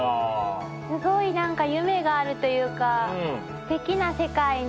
すごいなんか夢があるというかすてきな世界ね。